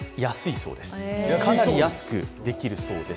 かなり安くできるそうです。